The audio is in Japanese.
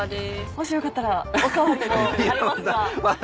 もしよかったらお代わりもありますが。